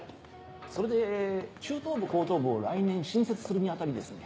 それで中等部高等部を来年新設するに当たりですね